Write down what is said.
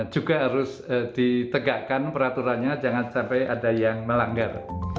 juga harus ditegakkan peraturannya jangan sampai ada yang melanggar